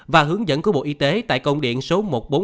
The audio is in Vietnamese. và hướng dẫn của bộ y tế tại công điện số một nghìn bốn trăm linh chín